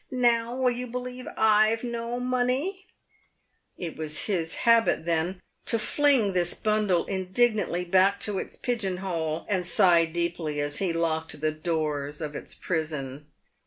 Now, will you believe I've no money ?" It was his habit then to fling this bundle indignantly back to its pigeon hole, and sigh deeply as he locked the doors of its prison.